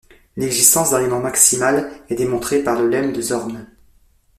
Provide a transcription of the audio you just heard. L'existence d'un élément maximal est démontrée par le lemme de Zorn.